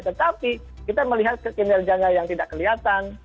tetapi kita melihat kinerjanya yang tidak kelihatan